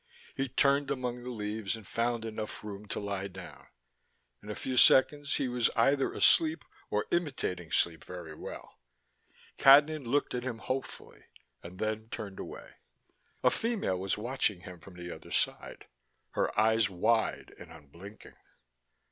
He turned among the leaves and found enough room to lie down: in a few seconds he was either asleep or imitating sleep very well. Cadnan looked at him hopefully, and then turned away. A female was watching him from the other side, her eyes wide and unblinking.